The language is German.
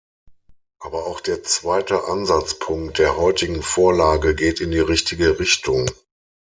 Aber auch der zweite Ansatzpunkt der heutigen Vorlage geht in die richtige Richtung.